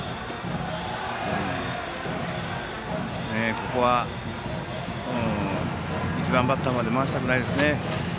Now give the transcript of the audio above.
ここは１番バッターまで回したくないですね。